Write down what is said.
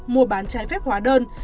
mua bán trái phép hóa đơn